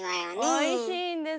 おいしいんです。